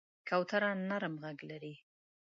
کوتره نرم غږ لري.